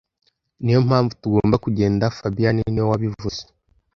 Niyo mpamvu tugomba kugenda fabien niwe wabivuze